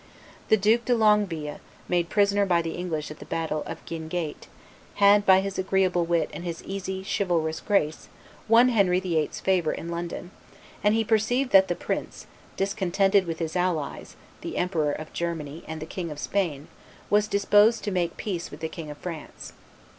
The Duke de Longueville, made prisoner by the English at the battle of Guinegate, had, by his agreeable wit and his easy, chivalrous grace, won Henry VIII.'s favor in London; and he perceived that that prince, discontented with his allies, the Emperor of Germany and the King of Spain, was disposed to make peace with the King of France.